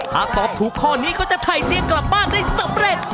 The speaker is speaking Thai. หากตอบถูกข้อนี้ก็จะถ่ายเตียงกลับบ้านได้สำเร็จ